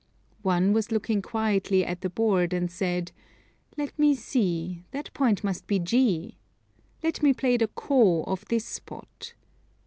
One was looking quietly at the board, and said, "Let me see, that point must be Ji. Let me play the Kôh of this spot."